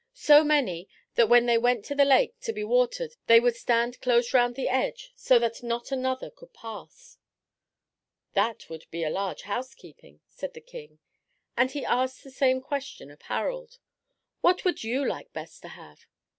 "So many that when they went to the lake to be watered, they would stand close round the edge, so that not another could pass." "That would be a large housekeeping," said the king, and he asked the same question of Harald. "What would you like best to have?"